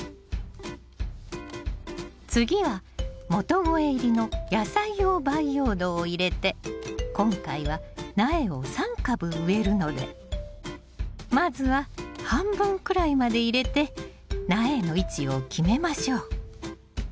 次は元肥入りの野菜用培養土を入れて今回は苗を３株植えるのでまずは半分くらいまで入れて苗の位置を決めましょう。